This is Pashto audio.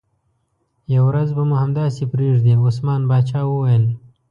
یوه ورځ به مو همداسې پرېږدي، عثمان باچا وویل.